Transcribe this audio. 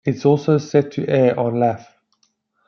It's also set to air on Laff.